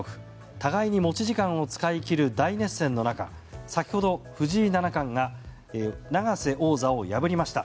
互いに持ち時間を使い切る大熱戦の中先ほど、藤井七冠が永瀬王座を破りました。